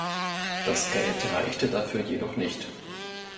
Das Geld reichte dafür jedoch nicht.